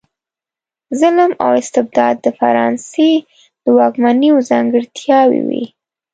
ظلم او استبداد د فرانسې د واکمنیو ځانګړتیاوې وې.